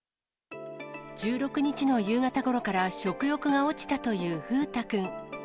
１６日の夕方ごろから食欲が落ちたという風太くん。